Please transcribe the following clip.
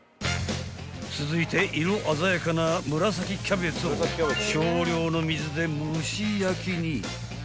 ［続いて色鮮やかな紫キャベツを少量の水で蒸し焼きに］